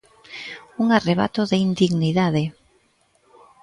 "Un arrebato de indignidade".